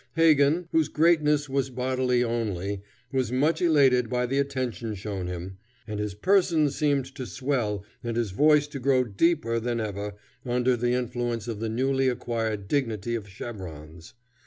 Hagan, whose greatness was bodily only, was much elated by the attention shown him, and his person seemed to swell and his voice to grow deeper than ever under the influence of the newly acquired dignity of chevrons.